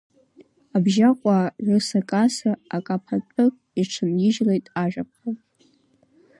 Абжьаҟәаа рысакаса акаԥатәык иҽанижьлеит ажәаԥҟа…